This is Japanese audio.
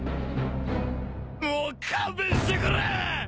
もう勘弁してくれ！